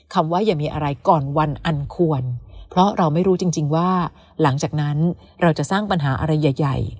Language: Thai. ว่าอย่ามีอะไรก่อนวันอันควรเพราะเราไม่รู้จริงว่าหลังจากนั้นเราจะสร้างปัญหาอะไรใหญ่